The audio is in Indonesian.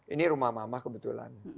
ini rumah mama kebetulan